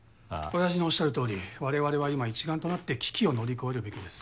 オヤジのおっしゃるとおり我々は今一丸となって危機を乗り越えるべきです。